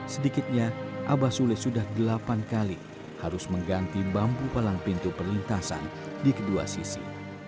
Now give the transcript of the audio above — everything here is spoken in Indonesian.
sedikitnya abah sule sudah delapan kali harus mengganti bambu palang pintu perlintasan di kedua sisi